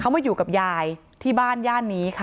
เขามาอยู่กับยายที่บ้านย่านนี้ค่ะ